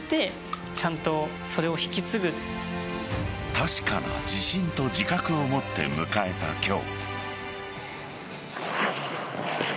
確かな自信と自覚を持って迎えた今日。